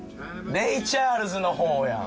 レイ・チャールズのほうやん！